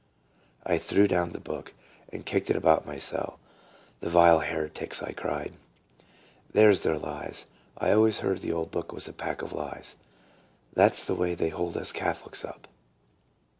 I threw down the book, and kicked it about my cell. "The vile heretics," I cried; "there's their lies. I always heard the old book was a pack of lies. That 's the way they hold us Catho lics up."